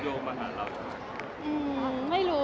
ยกมากหรอ